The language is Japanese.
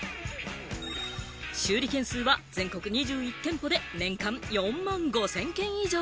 修理件数は全国２１店舗で年間４万５０００件以上。